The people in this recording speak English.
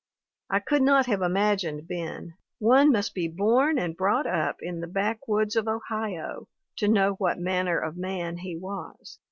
I could not have imagined Ben; one must be born and brought up in the backwoods of Ohio to know what manner of man he was.